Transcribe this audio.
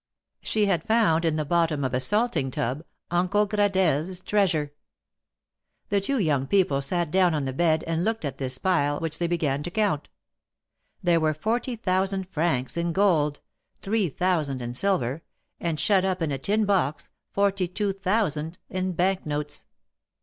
She had found in the bottom of a salting tub Uncle Gradelle's treasure. The two young people sat down on the bed and looked at this pile, which they began to count. There were forty thousand francs in gold, three thousand in silver, and shut up in a tin box, forty two thousand in bank notes.